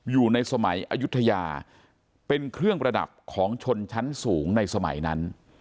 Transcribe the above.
อยู่ในสมัยอายุทยาเป็นเครื่องประดับของชนชั้นสูงในสมัยนั้น